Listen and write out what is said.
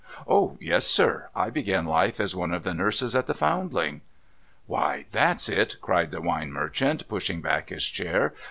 '' O yes, sir. I began life as one of the nurses at the Foundling.' ' Why, that's it !' cried the wine merchant, pushing back his chair.